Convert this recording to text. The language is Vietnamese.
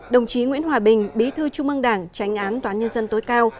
đồng chí nguyễn hòa bình bí thư trung ương đảng tránh án tòa án nhân dân tối cao